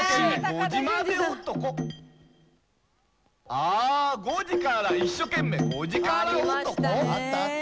あー５時から一生懸命５時から男。